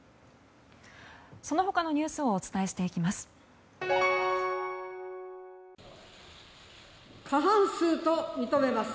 その他のニュースをお伝えしていきます。